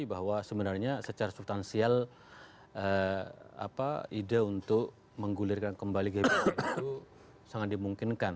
bahwa sebenarnya secara substansial ide untuk menggulirkan kembali gbk itu sangat dimungkinkan